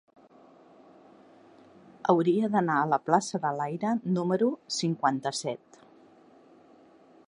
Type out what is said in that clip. Hauria d'anar a la plaça de l'Aire número cinquanta-set.